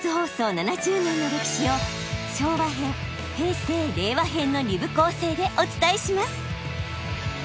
７０年の歴史を昭和編平成・令和編の２部構成でお伝えします。